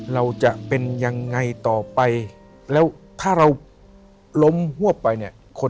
เราจะเป็นยังไงต่อไปแล้วถ้าเราล้มหัวไปเนี่ย